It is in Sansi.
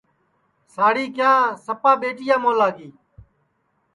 ساڑی کِیا سپا ٻیٹِیا مولا کی ہے